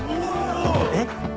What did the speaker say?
えっ？